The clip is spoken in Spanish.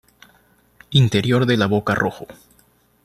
Interior de la boca rojo.